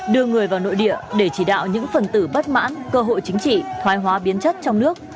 đưa người vào nội địa để chỉ đạo những phần tử bất mãn cơ hội chính trị thoái hóa biến chất trong nước